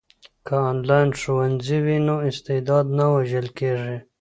که انلاین ښوونځی وي نو استعداد نه وژل کیږي.